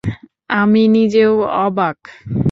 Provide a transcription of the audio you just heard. আমি নিজেও অবাক।